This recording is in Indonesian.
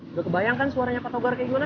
udah kebayang kan suaranya patogar kayak gimana